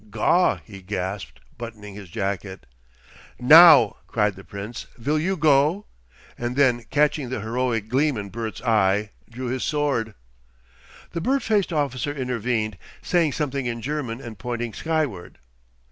"Gaw!" he gasped, buttoning his jacket. "Now," cried the Prince, "Vil you go?" and then catching the heroic gleam in Bert's eye, drew his sword. The bird faced officer intervened, saying something in German and pointing skyward.